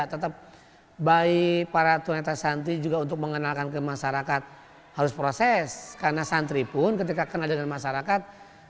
tetap baik para tunata santri juga untuk mengenalkan ke masyarakat harus proses karena santri pun ketika kenal dengan masyarakat